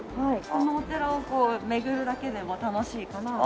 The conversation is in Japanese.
このお寺をこう巡るだけでも楽しいかなあ。